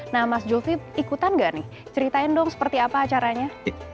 nah mas zulfi ikutan nggak nih ceritain dong seperti apa acaranya